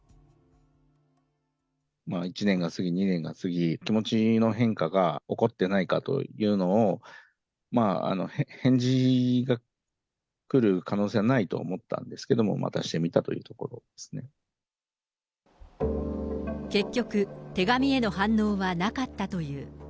１年が過ぎ、２年が過ぎ、気持ちの変化が起こってないかというのを、返事が来る可能性はないと思ってたんですけれども、出してみたと結局、手紙への反応はなかったという。